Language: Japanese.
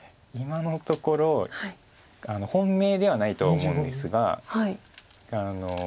今のところ本命ではないと思うんですが。